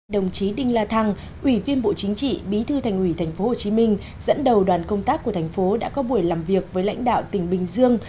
đồng chí đinh la thăng ủy viên bộ chính trị bí thư thành ủy tp hcm dẫn đầu đoàn công tác của thành phố đã có buổi làm việc với lãnh đạo tỉnh bình dương